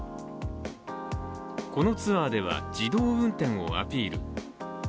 このツアーでは自動運転をアピール。